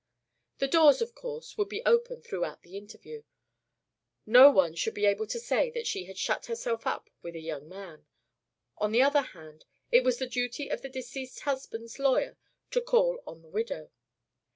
The doors, of course, would be open throughout the interview. No one should be able to say that she had shut herself up with a young man; on the other hand, it was the duty of the deceased husband's lawyer to call on the widow.